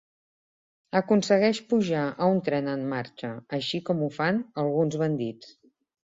Aconsegueix pujar a un tren en marxa, així com ho fan alguns bandits.